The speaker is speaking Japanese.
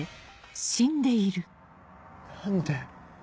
何で。